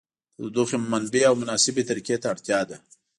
د تودوخې منبع او مناسبې طریقې ته اړتیا ده.